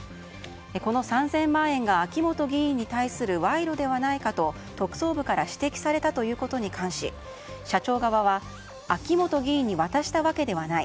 この３０００万円が秋本議員に対する賄賂ではないかと特捜部から指摘されたことに関し社長側は秋本議員に渡したわけではない。